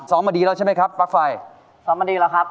มาดีแล้วใช่ไหมครับปลั๊กไฟซ้อมมาดีแล้วครับ